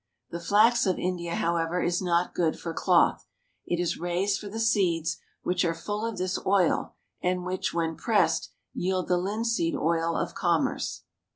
The flax of India, however, is not good for cloth. It is raised for the seeds which are full of this oil and which, when pressed, yield the linseed oil of commerce.